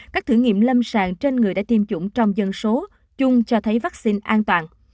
các thử nghiệm lâm sàng trên người đã tiêm chủng trong dân số chung cho thấy vaccine an toàn